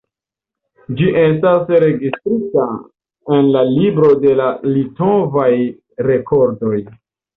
Ĝi estas registrita en la libro de la litovaj rekordoj.